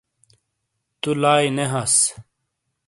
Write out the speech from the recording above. تُو لائی نے ہاس۔